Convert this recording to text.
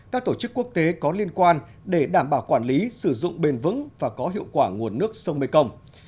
các tổ chức quốc tế có liên quan để đảm bảo quản lý sử dụng bền vững và có hiệu quả nguồn nước sông mekong